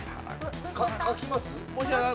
書きます？